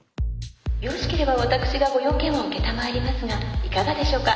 よろしければ私がご用件を承りますがいかがでしょうか？